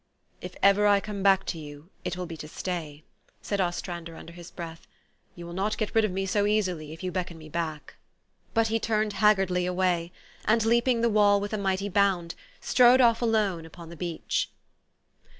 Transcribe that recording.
"" If ever I come back to you, it will be to stay," said Ostrander under his breath. "You will not get rid of me so easily, if you beckon me back." But he turned haggardly away; and, leaping the wall with a mighty bound, strode off alone upon the beach.